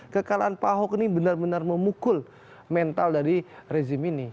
kekalahan pak ahok ini benar benar memukul mental dari rezim ini